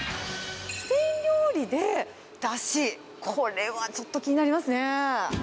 スペイン料理でだし、これはちょっと気になりますね。